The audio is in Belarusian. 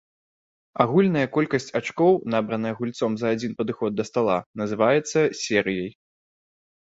Агульная колькасць ачкоў, набраная гульцом за адзін падыход да стала, называецца серыяй.